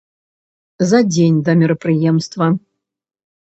За дзень да мерапрыемства!